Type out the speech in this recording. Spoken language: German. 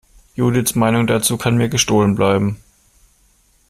Judiths Meinung dazu kann mir gestohlen bleiben!